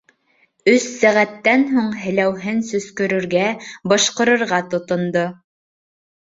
Өс сәғәттән һуң һеләүһен сөскөрөргә. бышҡырырға тотондо.